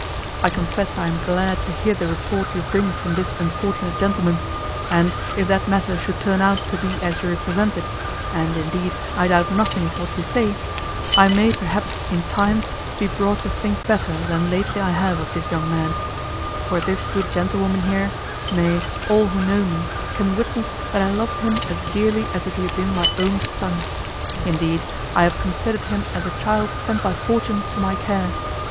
I confess I am glad to hear the report you bring from this unfortunate gentleman; and, if that matter should turn out to be as you represent it (and, indeed, I doubt nothing of what you say), I may, perhaps, in time, be brought to think better than lately I have of this young man; for this good gentlewoman here, nay, all who know me, can witness that I loved him as dearly as if he had been my own son. Indeed, I have considered him as a child sent by fortune to my care.